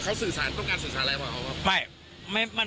เขาสื่อสารต้องการสื่อสารอะไรมั้ย